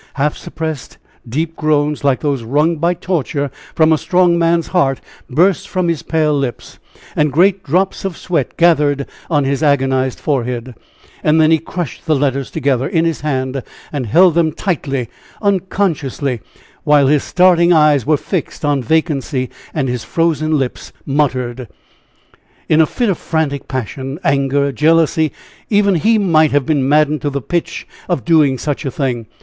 Half suppressed, deep groans like those wrung by torture from a strong man's heart, burst from his pale lips, and great drops of sweat gathered on his agonized forehead. Then he crushed the letters together in his hand and held them tightly, unconsciously, while his starting eyes were fixed on vacancy and his frozen lips muttered: "In a fit of frantic passion, anger, jealousy even he might have been maddened to the pitch of doing such a thing!